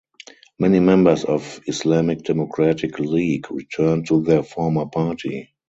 Many members of Islamic Democratic League returned to their former party.